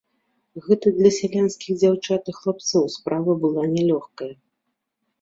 Гэта для сялянскіх дзяўчат і хлапцоў справа была нялёгкая.